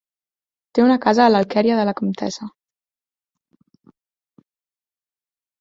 Té una casa a l'Alqueria de la Comtessa.